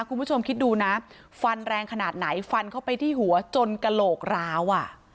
คุณผู้ชมคิดดูนะฟันแรงขนาดไหนฟันเข้าไปที่หัวจนกระโหลกร้าว